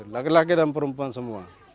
laki laki dan perempuan semua